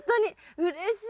うれしい。